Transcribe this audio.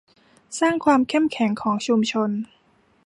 สร้างความเข้มแข็งของชุมชน